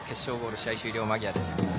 試合終了間際でした。